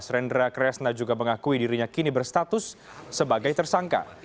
rendra kresna juga mengakui dirinya kini berstatus sebagai tersangka